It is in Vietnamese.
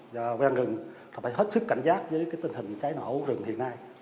và quen rừng phải hết sức cảnh giác với tình hình cháy nổ rừng hiện nay